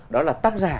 đó là tác giả